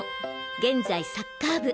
現在サッカー部。